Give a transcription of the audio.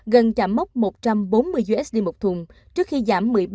gần chạm mốc một trăm bốn mươi usd một thùng